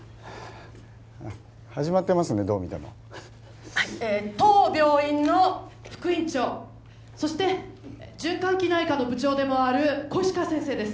始まってますねどう見てもはい当病院の副院長そして循環器内科の部長でもある小石川先生です